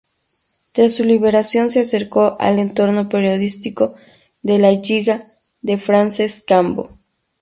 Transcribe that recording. Tras su liberación se acercó al entorno periodístico de la Lliga de Francesc Cambó.